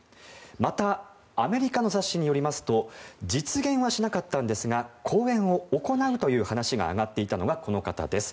またアメリカの雑誌によりますと実現はしなかったんですが講演を行うという話が挙がっていたのがこの方です。